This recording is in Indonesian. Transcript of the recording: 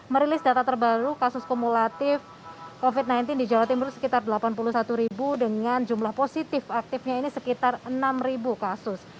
merilis data terbaru kasus kumulatif covid sembilan belas di jawa timur sekitar delapan puluh satu ribu dengan jumlah positif aktifnya ini sekitar enam kasus